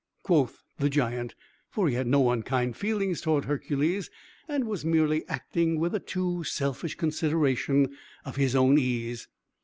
quoth the giant; for he had no unkind feeling toward Hercules, and was merely acting with a too selfish consideration of his own ease.